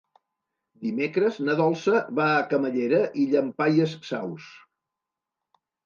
Dimecres na Dolça va a Camallera i Llampaies Saus.